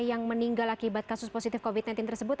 yang meninggal akibat kasus positif covid sembilan belas tersebut